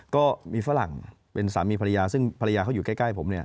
ก็มีฝรั่งเป็นสามีภรรยาซึ่งภรรยาเขาอยู่ใกล้ผม